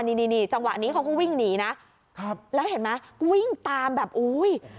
นี่นี่จังหวะนี้เขาก็วิ่งหนีนะครับแล้วเห็นไหมวิ่งตามแบบอุ้ย